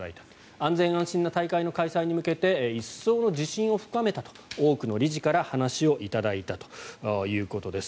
安全安心な大会の開催に向けて一層の自信を深めたと多くの理事から話を頂いたということです。